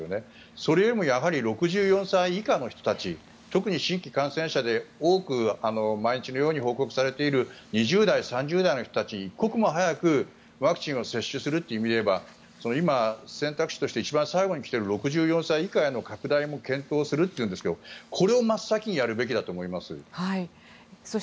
それよりもやはり６４歳以下の人たち特に新規感染者で多く、毎日のように報告されている２０代、３０代の人たちに一刻も早く、ワクチンを接種するという意味でいえば今、選択肢として一番最後に来ている６４歳以下への拡大も検討するというんですがこれを真っ先にやるべきだと思います。